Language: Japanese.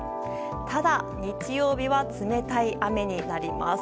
ただ日曜日は冷たい雨になります。